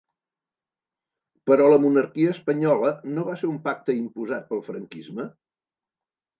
Però la monarquia espanyola no va ser un pacte imposat pel franquisme?